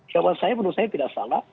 jawaban saya menurut saya tidak salah